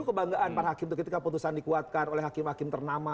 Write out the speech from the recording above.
itu kebanggaan para hakim itu ketika putusan dikuatkan oleh hakim hakim ternama